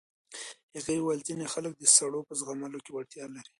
هغې وویل ځینې خلک د سړو په زغملو کې وړتیا لري.